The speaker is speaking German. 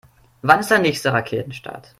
Wann ist der nächste Raketenstart?